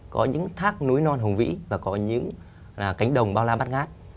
có những thác núi non hùng vĩ và có những cánh đồng bao la bắt ngát